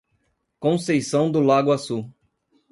Conceição do Lago Açu